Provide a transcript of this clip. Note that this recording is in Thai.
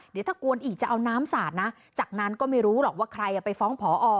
เดี๋ยวถ้ากวนอีกจะเอาน้ำสาดนะจากนั้นก็ไม่รู้หรอกว่าใครไปฟ้องพอ